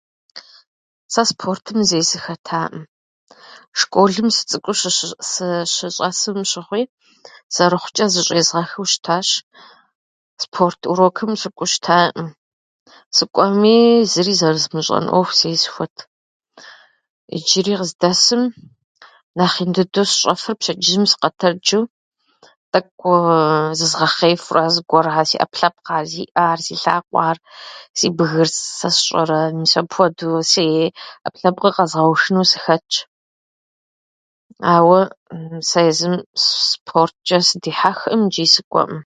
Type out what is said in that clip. Сэ спортым зэи сыхэтаӏым. Школым сыцӏыкӏуу сыщы- сыщыщӏэсым щыгъуи зэрыхъучӏэ зыщӏезгъэхыу щытащ. Спорт урокым сыкӏуэу щытаӏым. Сыкӏуэмии, зыри зэрызмыщӏэн ӏуэху зесхуэт. Иджыри къыздэсым нэхъ ин дыдэу сщӏэфыр пщэдджыжьым сыкъэтэджу, тӏэкӏу зызгъэхъеифура, зыгуэрхьэр, си ӏэпкълъэпкъыр, си ӏэхьэр, си лъакъуэхьэр, си бгыр, сэ сщӏэрэ, мис апхуэдууэ си ӏэпкълъэпкъыр къэзгъэушыну сыхэтщ. Ауэ сэ езым с- спортчӏэ сыдихьэхкъым ичӏи сыкӏуэӏым.